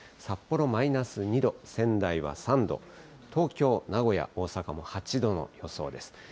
札幌マイナス２度、仙台は３度、東京、名古屋、大阪も８度の予想です。